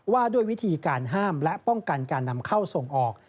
ว่าด้วยวิธีการห้ามและป้องกันการนำเข้าส่งออก